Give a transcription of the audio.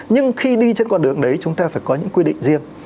nhưng khi đi trên con đường đấy chúng ta phải có những quy định riêng